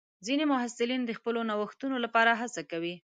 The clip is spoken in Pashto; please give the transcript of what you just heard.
ځینې محصلین د خپلو نوښتونو لپاره هڅه کوي.